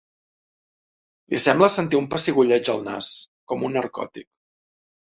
Li sembla sentir un pessigolleig al nas, com un narcòtic.